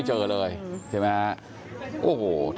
เดี๋ยวให้กลางกินขนม